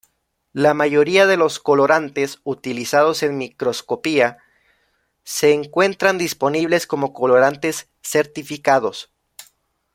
La mayoría de los colorantes utilizados en microscopía se encuentran disponibles como colorantes certificados.